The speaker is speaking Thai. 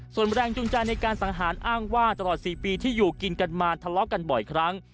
ส่วนแรงจูงใจในการสังหารอ้างว่าตลอด๔ปีที่อยู่กินกันมาทะเลาะกันบ่อยครั้ง